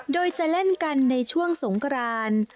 โดยจะเล่นกันในช่วงสงกราน